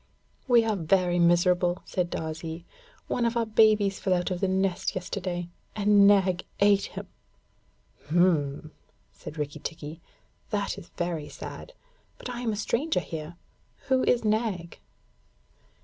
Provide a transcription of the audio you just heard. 'We are very miserable,' said Darzee. 'One of our babies fell out of the nest yesterday, and Nag ate him.' 'H'm!' said Rikki tikki, 'that is very sad but I am a stranger here. Who is Nag?'